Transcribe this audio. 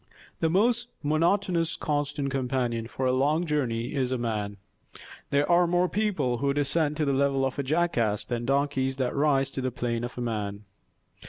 The most monotonous constant companion for a long journey is a man. There are more people who descend to the level of a jackass than donkeys that rise to the plane of man.